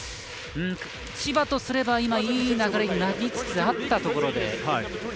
千葉とすれば、今、いい流れになりつつなったところで。